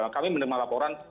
kami menerima laporan